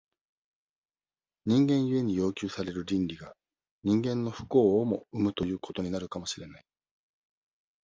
人間故に要求される倫理が、人間の不幸をも生むということになるかもしれない。